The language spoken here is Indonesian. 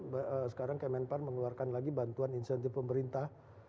bahwa sekarang pak menpar mengeluarkan lagi bantuan insentif pemerintah